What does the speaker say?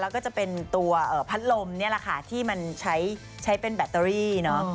แล้วก็จะเป็นตัวพัดลมนี่แหละค่ะที่มันใช้เป็นแบตเตอรี่เนอะ